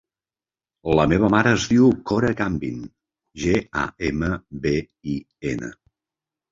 La meva mare es diu Cora Gambin: ge, a, ema, be, i, ena.